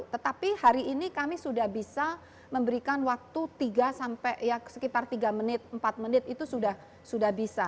tetapi hari ini kami sudah bisa memberikan waktu tiga sampai sekitar tiga menit empat menit itu sudah bisa